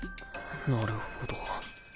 なるほど。